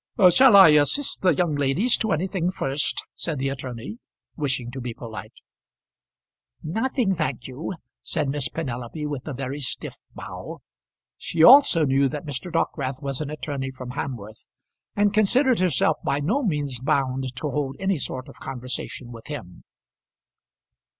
"Shall I assist the young ladies to anything first?" said the attorney, wishing to be polite. "Nothing, thank you," said Miss Penelope, with a very stiff bow. She also knew that Mr. Dockwrath was an attorney from Hamworth, and considered herself by no means bound to hold any sort of conversation with him.